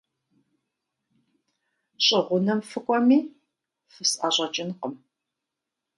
ЩӀы гъунэм фыкӀуэми, фысӀэщӀэкӀынкъым.